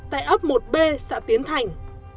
tại ấp một b xã tiến thành